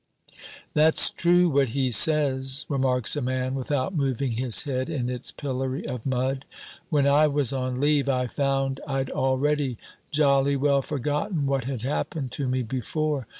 "That's true what he says," remarks a man, without moving his head in its pillory of mud. "When I was on leave, I found I'd already jolly well forgotten what had happened to me before.